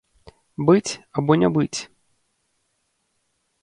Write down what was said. Быць або не быць?